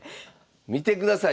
見てください